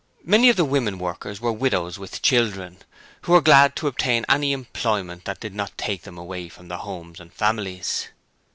Many of the women workers were widows with children, who were glad to obtain any employment that did not take them away from their homes and families.